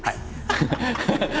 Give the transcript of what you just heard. ハハハハ！